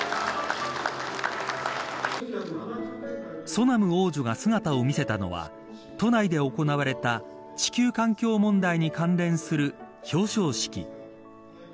ソナム王女が姿を見せたのは都内で行われた地球環境問題に関連する表彰式。